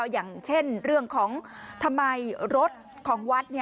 อย่างเช่นเรื่องของทำไมรถของวัด